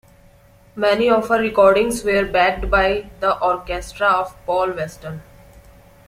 Many of her recordings were backed by the orchestra of Paul Weston.